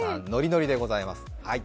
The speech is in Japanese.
のりのりでございます。